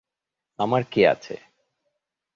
আমার কে আছে?